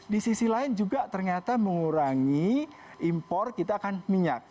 di sisi lain juga ternyata mengurangi impor kita akan minyak